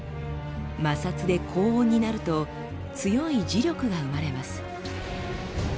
摩擦で高温になると強い磁力が生まれます。